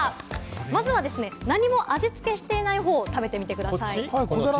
まずはですね、何も味付けしていない方を食べてみてください。